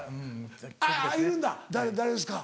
あっいるんだ誰ですか？